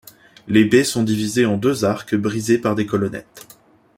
Les baies sont divisées en deux arcs brisés par des colonnettes.